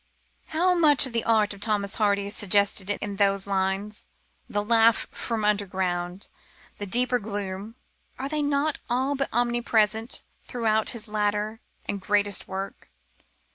How much of the art of Thomas Hardy is suggested in those lines! The laugh from underground, the deeper gloom are they not all but omnipresent throughout his later and greatest work?